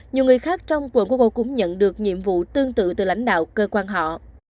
nhiều người khác trong quận google cũng nhận được nhiệm vụ tương tự từ lãnh đạo cơ quan họ